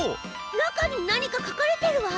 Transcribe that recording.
中に何か書かれてるわ。